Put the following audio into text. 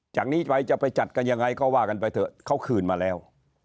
จากนี้ไปจะไปจัดกันยังไงก็ว่ากันไปเถอะเขาคืนมาแล้ว